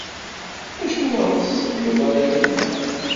Acuɣer ur tettedduḍ ara yid-neɣ?